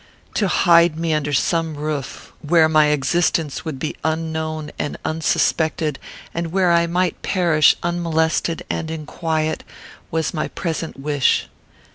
To hide me under some roof, where my existence would be unknown and unsuspected, and where I might perish unmolested and in quiet, was my present wish.